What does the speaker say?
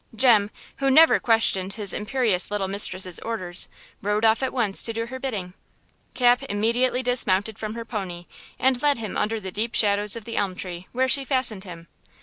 Jem, who never questioned his imperious little mistress's orders, rode off at once to do her bidding. Cap immediately dismounted from her pony and led him under the deep shadows of the elm tree, where she fastened him.